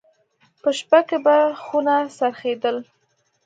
په شپه کې به خونه څرخېدل.